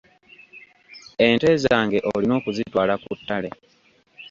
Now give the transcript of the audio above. Ente zange olina okuzitwala ku ttale.